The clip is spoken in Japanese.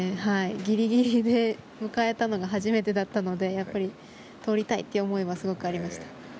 ギリギリで迎えたのが初めてだったのでやっぱり取りたいという思いはすごくありました。